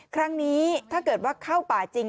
ครั้งนี้ถ้าเกิดว่าเข้าป่าจริง